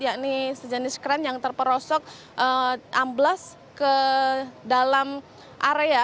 yakni sejenis kran yang terperosok ambles ke dalam area